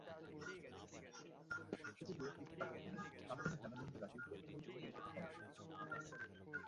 ছুটে গিয়ে পিঠ চাপড়ে দিলেন, সান্ত্বনা জানালেন ব্রাজিল কোচ লুইস ফেলিপে স্কলারিও।